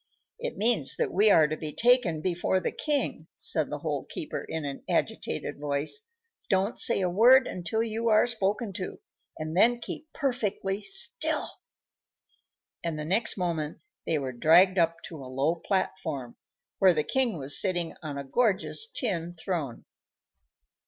"It means that we are to be taken before the king," said the Hole keeper, in an agitated voice. "Don't say a word until you are spoken to, and then keep perfectly still;" and the next moment they were dragged up to a low platform, where the king was sitting on a gorgeous tin throne.